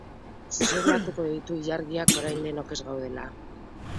Xuxurlatuko ditu ilargiak orain denok ez gaudela.